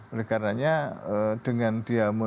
oleh karena nya dengan dia menuntaskan